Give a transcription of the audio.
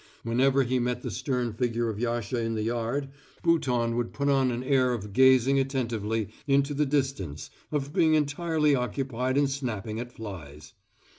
Whenever he met the stern figure of Yasha in the yard Bouton would put on an air of gazing attentively into the distance of being entirely occupied in snapping at flies.